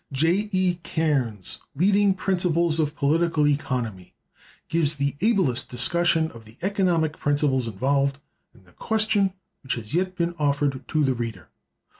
J. E. Cairnes's "Leading Principles of Political Economy" gives the ablest discussion of the economic principles involved in the question which has yet been offered to the reader.